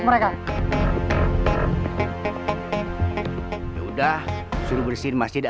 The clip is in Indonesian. pertanyaan pertama begini ustadz